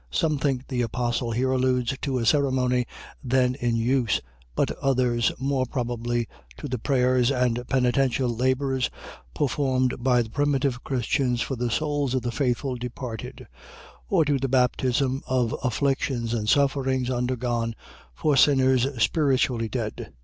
. .Some think the apostle here alludes to a ceremony then in use; but others, more probably, to the prayers and penitential labours, performed by the primitive Christians for the souls of the faithful departed; or to the baptism of afflictions and sufferings undergone for sinners spiritually dead.